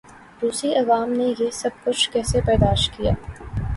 روسی عوام نے یہ سب کچھ کیسے برداشت کیا؟